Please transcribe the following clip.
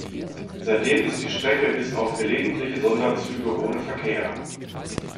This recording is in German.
Seitdem ist die Strecke bis auf gelegentliche Sonderzüge ohne Verkehr.